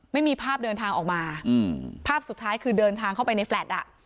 ไม่มีภาพเดินทางออกมาอืมภาพสุดท้ายคือเดินทางเข้าไปในแฟลต์อ่ะ